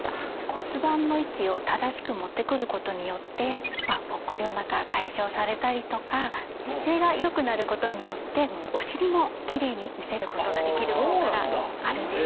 骨盤の位置を正しく持ってくることによってポッコリお腹解消されたりとか姿勢が良くなることによってお尻もキレイに見せることができる効果があるんです。